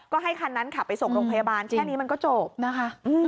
ก็ให้คันนั้นขับไปส่งโรงพยาบาลแค่นี้มันก็จบนะคะ